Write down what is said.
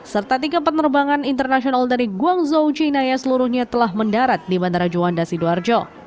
serta tiga penerbangan internasional dari guangzhou china yang seluruhnya telah mendarat di bandara juanda sidoarjo